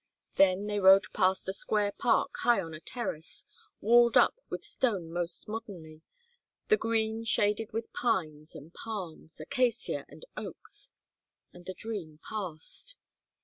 Then they rode past a square park high on a terrace, walled up with stone most modernly, the green shaded with pines and palms, acacia and oaks; and the dream passed.